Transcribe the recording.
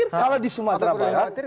kalau di sumatera barat